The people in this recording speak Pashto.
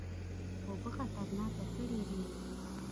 اوبه خطرناکه کړي وې.